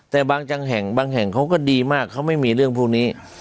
แต่บางระห่างบางแห่งเขาก็ดีมากเขามีเหลือพวกนี้